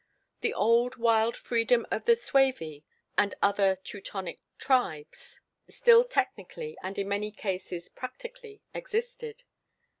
The old wild freedom of the Suevi, and other Teutonic tribes, still technically, and in many cases practically, existed.